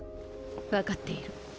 分かっている。